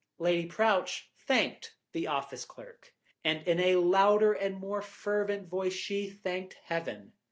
Lady Prowche thanked the office clerk, and in a louder and more fervent voice she thanked Heaven.